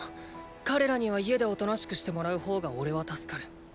彼らには家でおとなしくしてもらう方がおれは助かる。